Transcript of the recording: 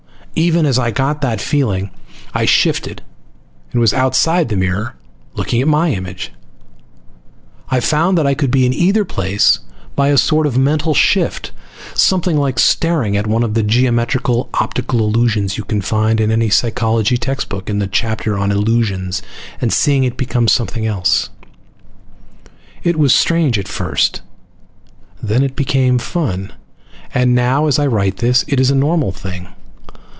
Even as I got that feeling I shifted and was outside the mirror looking at my image. I found that I could be in either place by a sort of mental shift, something like staring at one of the geometrical optical illusions you can find in any psychology textbook in the chapter on illusions, and seeing it become something else. It was strange at first, then it became fun, and now, as I write this, it is a normal thing.